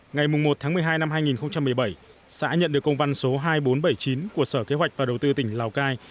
ngày một tháng một mươi hai năm hai nghìn một mươi bảy xã nhận được công văn số hai nghìn bốn trăm bảy mươi chín của sở kế hoạch và đầu tư tỉnh lào cai